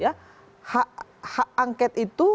hak angket itu